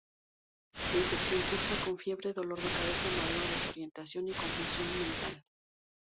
La infección cursa con fiebre, dolor de cabeza, mareo, desorientación y confusión mental.